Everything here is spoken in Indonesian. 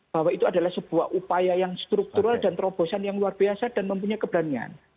bahwa itu adalah sebuah upaya yang struktural dan terobosan yang luar biasa dan mempunyai keberanian